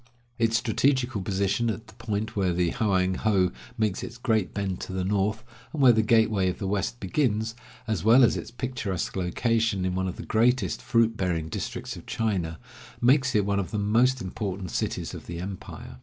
Its strategical position at the point where the Hoang ho makes its great bend to the north, and where the gateway of the West begins, as well as its picturesque location in one of the greatest fruit bearing districts of China, makes it one of the most important cities of the empire.